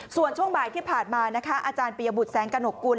ส่วนช่วงบ่ายที่ผ่านมานะคะอาจารย์ปียบุตรแสงกระหนกกุล